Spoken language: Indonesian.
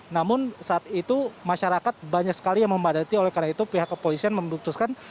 namun saat itu masyarakat banyak sekali yang membadati oleh karena itu pihak kepolisian memutuskan